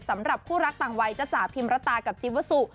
สำหรับคู่รักต่างวัยจ้าจ๋าพิมพ์รัตตากับจิ๊บวัสสุ